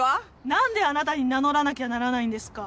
何であなたに名乗らなきゃならないんですか。